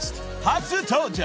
初登場］